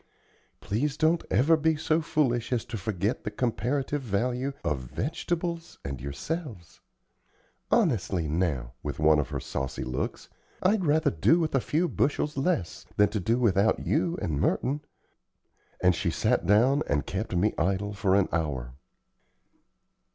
Please don't ever be so foolish as to forget the comparative value of vegetables and yourselves. Honestly now" (with one of her saucy looks), "I'd rather do with a few bushels less, than do without you and Merton;" and she sat down and kept me idle for an hour.